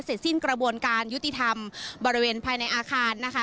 สิ้นกระบวนการยุติธรรมบริเวณภายในอาคารนะคะ